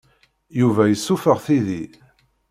Yuba yessuffeɣ tidi.